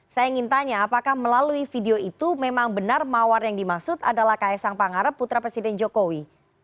saya ingin tanya apakah melalui video itu memang benar mawar yang dimaksud adalah ks sang pangarep putra presiden jokowi